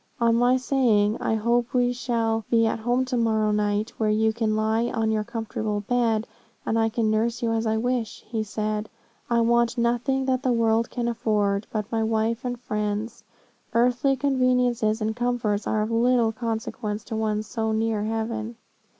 On my saying, 'I hope we shall be at home to morrow night, where you can lie on your comfortable bed, and I can nurse you as I wish,' he said, 'I want nothing that the world can afford, but my wife and friends; earthly conveniences and comforts are of little consequence to one so near heaven.